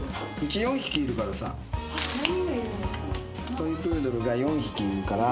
トイ・プードルが４匹いるから。